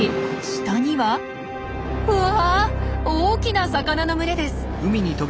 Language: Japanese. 下にはうわ大きな魚の群れです！